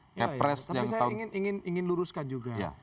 tapi saya ingin luruskan juga